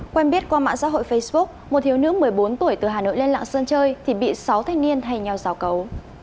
quen biết qua mạng xã hội facebook một thiếu nữ một mươi bốn tuổi từ hà nội lên lạng sơn chơi thì bị sáu thanh niên thay nhau rào cấu